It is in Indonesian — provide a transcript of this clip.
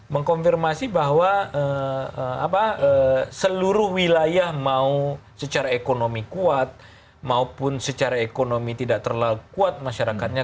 mengkonfirmasi bahwa seluruh wilayah mau secara ekonomi kuat maupun secara ekonomi tidak terlalu kuat masyarakatnya